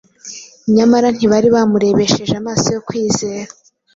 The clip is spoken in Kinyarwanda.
Nyamara ntibari baramurebesheje amaso yo kwizera.